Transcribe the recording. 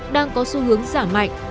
đang có xu hướng giả mạnh